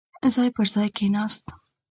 ځای پر ځاې کېناست.